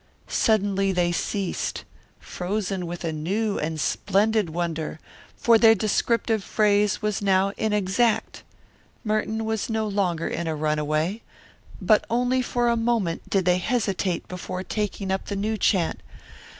Suddenly they ceased, frozen with a new and splendid wonder, for their descriptive phrase was now inexact. Merton was no longer in a runaway. But only for a moment did they hesitate before taking up the new chant.